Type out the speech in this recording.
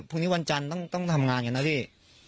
พรุ่งนี้วันจันทร์ต้องต้องทำงานกันนะพี่